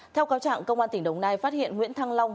theo cáo trạng công an tỉnh đồng nai phát hiện nguyễn thăng long